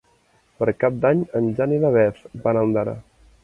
Per Cap d'Any en Jan i na Beth van a Ondara.